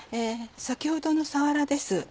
先ほどのさわらです